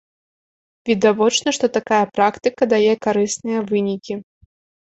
Відавочна, што такая практыка дае карысныя вынікі.